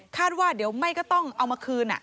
คาดว่าไม่ก็ต้องเอามาคืน